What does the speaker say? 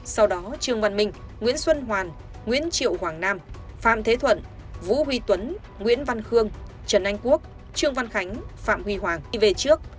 sau đó trương văn minh nguyễn xuân hoàn nguyễn triệu hoàng nam phạm thế thuận vũ huy tuấn nguyễn văn khương trần anh quốc trương văn khánh phạm huy hoàng đi về trước